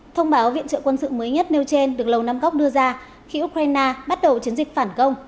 thông báo viện trợ quân sự mới nhất nêu trên được lầu năm góc đưa ra khi ukraine bắt đầu chiến dịch phản công